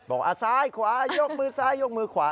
ซ้ายขวายกมือซ้ายยกมือขวา